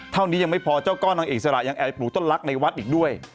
นี้ยังไม่พอเจ้าก้อนนางอิสระยังแอบปลูกต้นลักษณ์ในวัดอีกด้วย